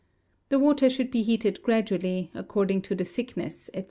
The water should be heated gradually, according to the thickness, &c.